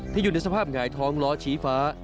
อยู่ในสภาพหงายท้องล้อชี้ฟ้า